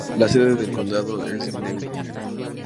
La sede de condado es New Ulm.